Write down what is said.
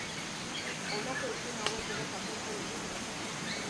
Honako izen hauek ere jasotzen ditu.